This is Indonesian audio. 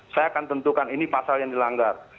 saya akan tentukan ini pasal yang dilanggar